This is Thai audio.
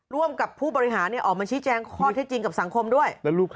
ร่วมกับผู้บริหารออกมาชี้แจงข้อเท็จจริงกับสังคมด้วย